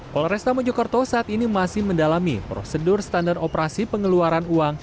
polresta mojokerto saat ini masih mendalami prosedur standar operasi pengeluaran uang